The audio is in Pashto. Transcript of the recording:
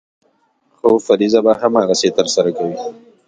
خو فریضه به هماغسې ترسره کوې.